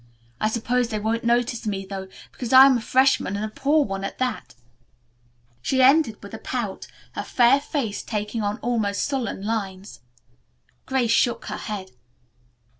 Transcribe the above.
I suppose they won't notice me, though, because I am a freshman and a poor one at that," she ended with a pout, her fair face taking on almost sullen lines. Grace shook her head.